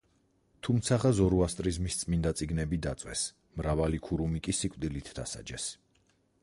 თუმცაღა ზოროასტრიზმის წმინდა წიგნები დაწვეს, მრავალი ქურუმი კი სიკვდილით დასაჯეს.